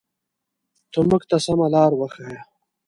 ته مونږ ته سمه لاره وښایه.